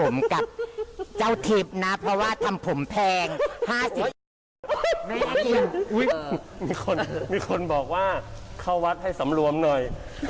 มีคนบอกว่าเข้าวัดให้สำรวมหน่อย